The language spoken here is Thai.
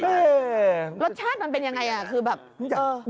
เฮ่ยรสชาติมันเป็นอย่างไรคือแบบ